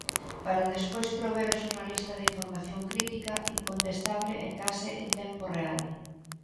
Para despois prover o xornalista de información crítica, incontestable e case en tempo real.